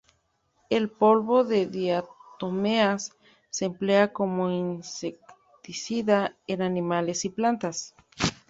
El polvo de diatomeas se emplea como insecticida en animales y plantas.